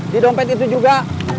di dompet itu juga